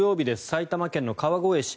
埼玉県の川越市。